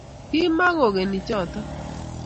Kimakokenyi choto